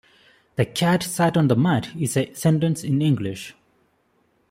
"The cat sat on the mat" is a sentence in English.